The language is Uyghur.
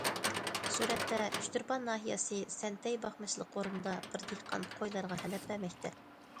سۈرەتتە: ئۇچتۇرپان ناھىيەسى« سەنتەي» باقمىچىلىق ئورنىدا بىر دېھقان قويلارغا ھەلەپ بەرمەكتە.